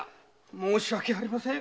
申し訳ありません。